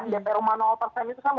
ya dari rumah nol atau dari rumah tinggi